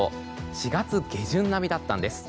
４月下旬並みだったんです。